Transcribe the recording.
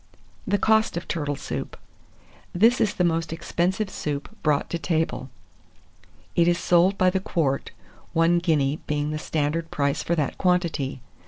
THE COST OF TURTLE SOUP. This is the most expensive soup brought to table. It is sold by the quart, one guinea being the standard price for that quantity.